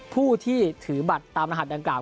ผู้ที่ถือบัตรตามรหัสดังกล่า